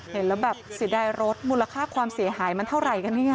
เห็นแล้วแบบเสียดายรถมูลค่าความเสียหายมันเท่าไหร่กันเนี่ย